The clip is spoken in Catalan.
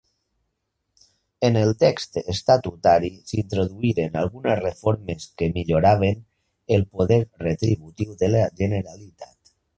En el text estatutari s'introduïren algunes reformes que milloraven el poder retributiu de la Generalitat.